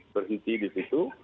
berhenti di situ